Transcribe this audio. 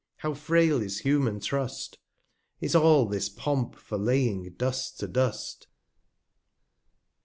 how frail is human Trust! 235 Is all this Pomp for laying Dust to Dust